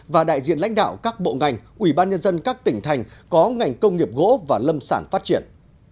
và đại diện lãnh đạo các bộ ngành ủy ban nhân dân các tỉnh thành có ngành công nghiệp gỗ và lâm sản phát triển